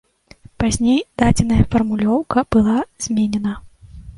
Пазней дадзеная фармулёўка была зменена.